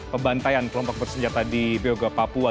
pembantaian kelompok bersenjata di bioga papua